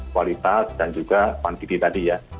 kualitas dan juga pantidi tadi ya